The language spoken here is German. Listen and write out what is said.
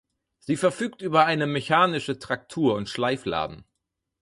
Sie verfügt über eine mechanische Traktur und Schleifladen.